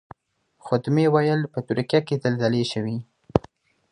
خدمې ویل په ترکیه کې زلزلې شوې.